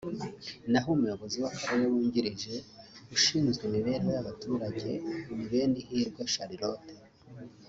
naho Umuyobozi w’Akarere wungirije ushinzwe Imibereho y’Abaturage ni Benihirwe Charlotte